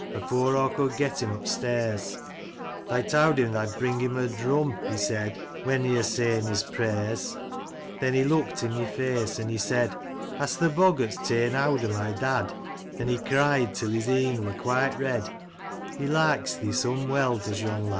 Afore aw could get him up stairs; Thae towd him thae'd bring him a drum, He said, when he *re sayin* his prayers ; Then he look*d i* my face, an' he said, " Has th* boggarts taen houd o* my dad ?" An* he cried till his e'en were quite red — He likes thee some weel, does yon lad